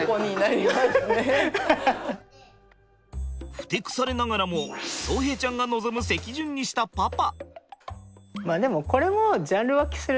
ふてくされながらも颯平ちゃんが望む席順にしたパパ。